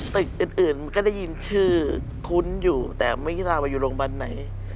ตึกอื่นมันก็ได้ยินชื่อคุ้นอยู่แต่ไม่คิดว่าอยู่โรงพยาบาลไหน